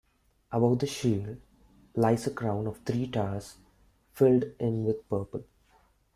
Above the shield, lies a crown of three towers filled in with purple.